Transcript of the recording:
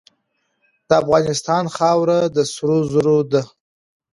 د افغانستان خاوره د سرو زرو ده.